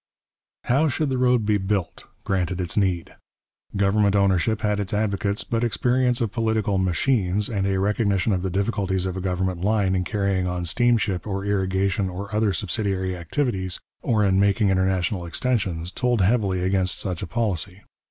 How should the road be built, granted its need? Government ownership had its advocates, but experience of political 'machines' and a recognition of the difficulties of a government line in carrying on steamship or irrigation or other subsidiary activities, or in making international extensions, told heavily against such a policy.